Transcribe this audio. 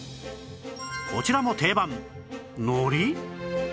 こちらも定番海苔？